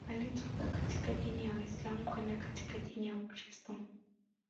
Alitoka katika dini Uislam kwenda katika dini ya Ukristo